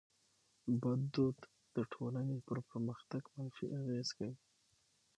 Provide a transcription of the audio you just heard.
بد دود د ټټولني پر پرمختګ منفي اغېز کوي.